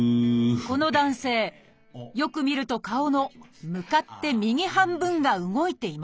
この男性よく見ると顔の向かって右半分が動いていません。